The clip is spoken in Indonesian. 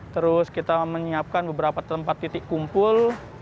terus kita menyiapkan beberapa tempat titik kumpul